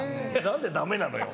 何でダメなのよ。